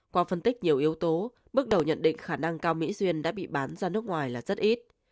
qua phân tích nhiều yếu tố bước đầu nhận định khả năng cao mỹ duyên đã bị bán ra nước ngoài là rất ít